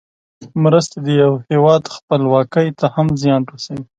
مرستې د یو هېواد خپلواکۍ ته هم زیان رسوي.